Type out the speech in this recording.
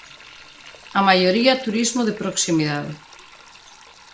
A maioría turismo de proximidade.